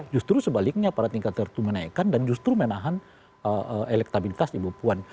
justru sebaliknya pada tingkat tertentu menaikkan dan justru menahan elektabilitas ibu puan